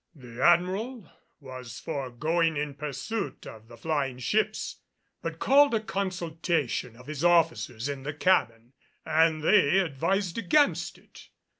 The Admiral was for going in pursuit of the flying ships, but called a consultation of his officers in the cabin and they advised against it.